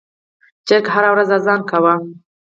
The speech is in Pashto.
چرګ هره ورځ اذان کاوه.